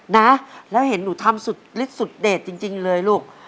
นะแล้วเห็นหนูทำศุษย์สุดมิดสุดเรดจริงเลยลูก